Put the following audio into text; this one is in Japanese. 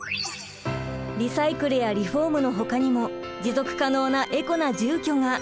リサイクルやリフォームのほかにも持続可能なエコな住居が！